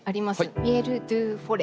「ミエル・ドゥ・フォレ」。